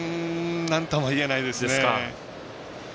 なんとも言えないですね。